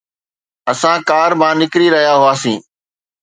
اسان ڪار مان نڪري رهيا هئاسين